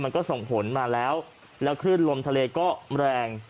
มันก็ส่งผลมาแล้วแล้วคลื่นลมทะเลก็แรง